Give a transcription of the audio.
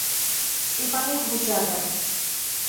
Степанет вуча дыр.